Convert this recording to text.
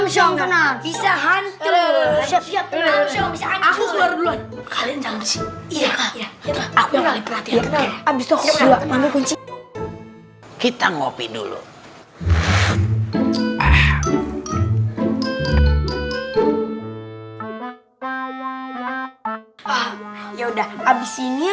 cuma harus utopi kedua duanya